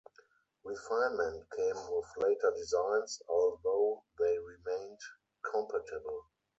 Refinement came with later designs, although they remained compatible.